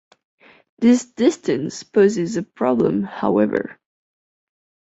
This distance poses a problem, however.